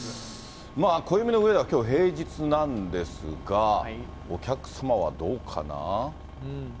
暦の上ではきょうは平日なんですが、お客様はどうかな？